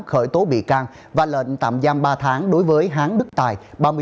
khởi tố bị can và lệnh tạm giam ba tháng đối với hán đức tài